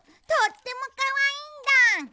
とってもかわいいんだ！